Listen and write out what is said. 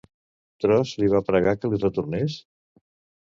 Tros li va pregar que li retornés?